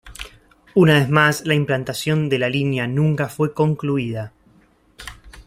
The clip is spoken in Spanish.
Una vez más, la implantación de la línea nunca fue concluida.